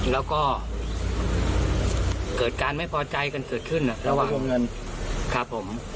แล้วก็เกิดการไม่พอใจกันเสริฟขึ้นระหว่าง